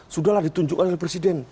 sudahlah ditunjukkan oleh presiden